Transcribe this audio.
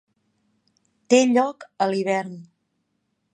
Té lloc a l'hivern.